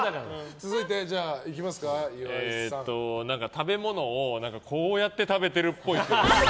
食べ物をこうやって食べてるっぽい。